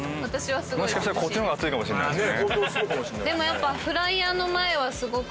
もしかしたらこっちの方が暑いかもしれないですね。